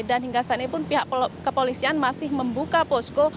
dan hingga saat ini pun pihak kepolisian masih membuka posko